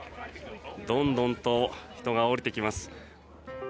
どんどんと人が降りてきます。